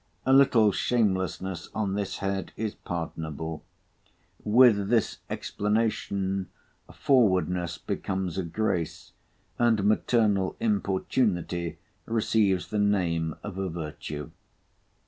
A little shamelessness on this head is pardonable. With this explanation, forwardness becomes a grace, and maternal importunity receives the name of a virtue.